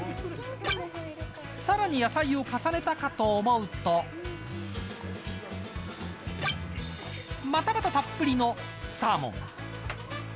さらに野菜を重ねたかと思うとまたまたたっぷりのサーモン。